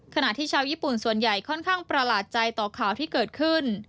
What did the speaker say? ขณะที่ชาวญี่ปุ่นส่วนใหญ่ค่อนข้างประหลาดใจต่อข่าวที่เกิดขึ้น